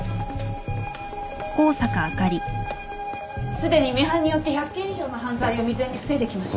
すでにミハンによって１００件以上の犯罪を未然に防いできました。